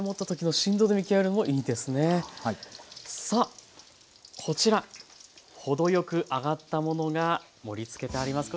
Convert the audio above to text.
さあこちら程よく揚がったものが盛りつけてあります。